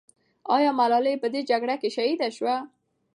آیا ملالۍ په دې جګړه کې شهیده سوه؟